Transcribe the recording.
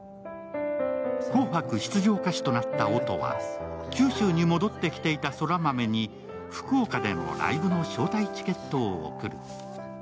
紅白出場歌手となった音は九州に戻ってきていた空豆に福岡でのライブの招待チケットを送る。